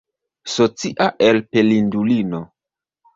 Socia elpelindulino!